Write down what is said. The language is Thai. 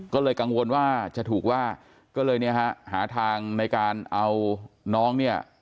ก็เลยกังวลว่าจะถูกว่าก็เลยเนี่ยฮะหาทางในการเอาน้องเนี่ย